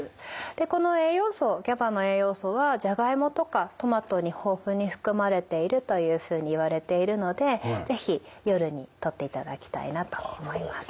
でこの栄養素ＧＡＢＡの栄養素はジャガイモとかトマトに豊富に含まれているというふうにいわれているので是非夜にとっていただきたいなと思います。